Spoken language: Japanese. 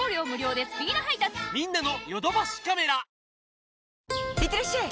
そしていってらっしゃい！